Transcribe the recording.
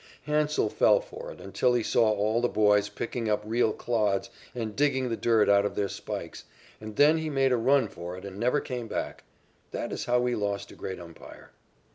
Hansell fell for it until he saw all the boys picking up real clods and digging the dirt out of their spikes, and then he made a run for it and never came back. That is how we lost a great umpire.